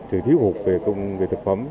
sự thiếu hụt về công nghệ thực phẩm